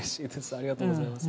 ありがとうございます。